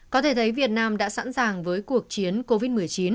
có thể thấy việt nam đã sẵn sàng với cuộc chiến covid một mươi chín